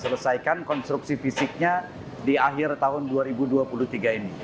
selesaikan konstruksi fisiknya di akhir tahun dua ribu dua puluh tiga ini